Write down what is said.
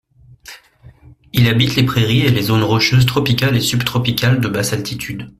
Il habite les prairies et les zones rocheuses tropicales et subtropicales de basse altitude.